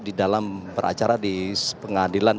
di dalam beracara di pengadilan